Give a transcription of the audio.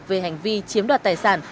về hành vi chiếm đoạt tài sản